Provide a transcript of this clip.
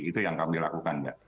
itu yang kami lakukan mbak